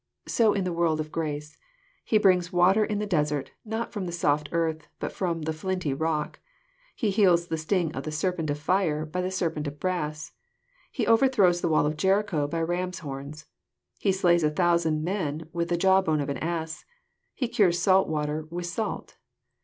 So in the world of grace. He brings water in the desert, not IVom the soft earth, but the flinty rock. He heals the sting of the serpent of fire by the serpent of brass. He overthrows the wall of Jericho by ram's horns. He slays a thousand men with the Jawbone of an ass. He cures salt water with salt.